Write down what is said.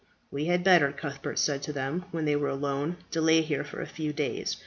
"We had better," Cuthbert said to them when they were alone, "delay here for a few days.